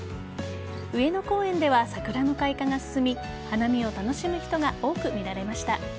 上野公園では桜の開花が進み花見を楽しむ人が多く見られました。